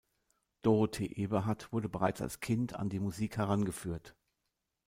Dorothee Eberhardt wurde bereits als Kind an die Musik herangeführt.